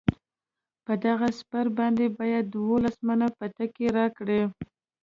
په دغه سپر باندې باید دولس منه بتکۍ راکړي.